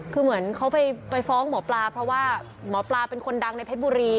คือเหมือนเขาไปฟ้องหมอปลาเพราะว่าหมอปลาเป็นคนดังในเพชรบุรี